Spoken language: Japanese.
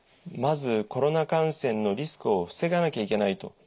まずコロナ感染のリスクを防がなきゃいけないと。